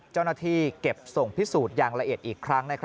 เจ้าหน้าที่เก็บส่งพิสูจน์อย่างละเอียดอีกครั้ง